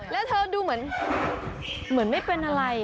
แล้วเธอดูเหมือนไม่เป็นอะไร